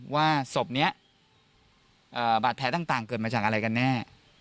ว่าศพนี้บาดแผลต่างเกิดมาจากอะไรกันแน่